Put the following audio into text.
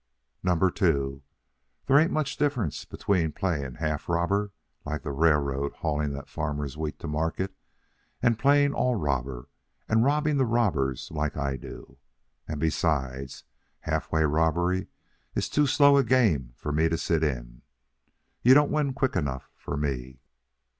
"Number two: There ain't much difference between playing halfway robber like the railroad hauling that farmer's wheat to market, and playing all robber and robbing the robbers like I do. And, besides, halfway robbery is too slow a game for me to sit in. You don't win quick enough for me."